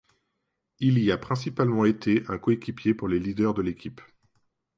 Il y a principalement été un coéquipier pour les leaders de l'équipe.